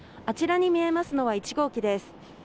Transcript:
あちらに見えますのは１号機です